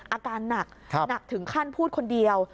อาการหนักหนักถึงขั้นพูดคนเดียว